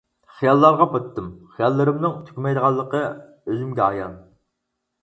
خىياللارغا پاتتىم، خىياللىرىمنىڭ تۈگىمەيدىغانلىقى ئۆزۈمگە ئايان.